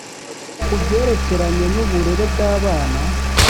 Ku byerekeranye n’uburere bw’abana,